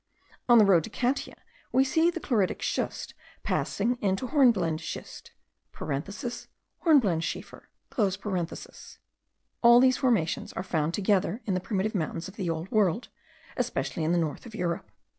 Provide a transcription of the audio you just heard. On the road to Catia we see the chloritic schist passing into hornblende schist. (Hornblendschiefer.) All these formations are found together in the primitive mountains of the old world, especially in the north of Europe.